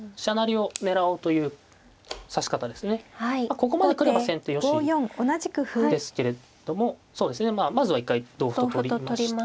ここまで来れば先手よしですけれどもそうですねまあまずは一回同歩と取りまして。